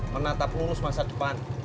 menatap urus masa depan